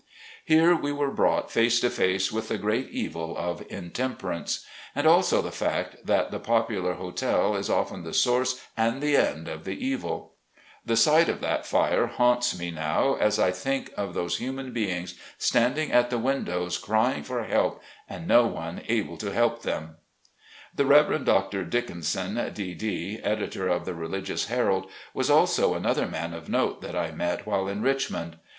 Here we were brought face to face with the great evil of intemperance. And also the fact that the popular hotel is often the source and the end of the evil. The sight of that fire haunts me now as I think of those human beings, standing at the win dows crying for help and no one able to help them. The Rev. Dr. Dickenson, D. D., editor of the Religious Herald, was also another man of note, that I met while in Richmond.